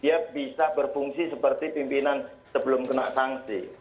dia bisa berfungsi seperti pimpinan sebelum kena sanksi